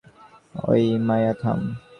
অই মাইয়া থাম।